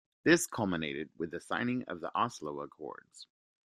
This culminated with the signing of the Oslo Accords.